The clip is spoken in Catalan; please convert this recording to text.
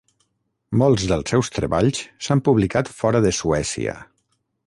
Molts dels seus treballs s'han publicat fora de Suècia.